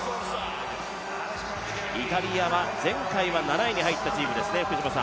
イタリアは前回７位に入ったチームですね。